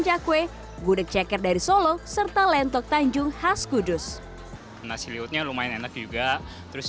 jakwe gudeg ceker dari solo serta lentok tanjung khas kudus nasi liutnya lumayan enak juga terus